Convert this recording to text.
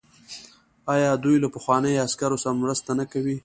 آیا دوی له پخوانیو عسکرو سره مرسته نه کوي؟